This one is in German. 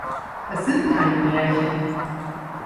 Das sind keine Märchen.